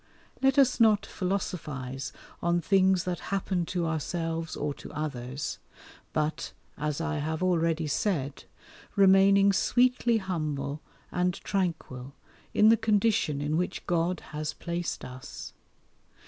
Let us not philosophize on things that happen to ourselves or to others, but, as I have already said, remaining sweetly humble, and tranquil, in the condition in which God has placed us.